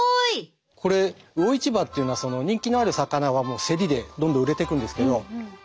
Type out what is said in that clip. これ魚市場っていうのは人気のある魚は競りでどんどん売れてくんですけどそうですよね。